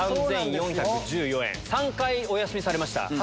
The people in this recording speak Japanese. ３回お休みされました。